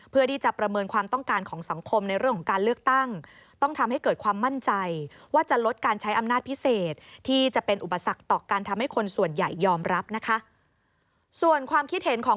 เพื่อที่จะประเมินความต้องการของสังคมในเรื่องของการเลือกตั้ง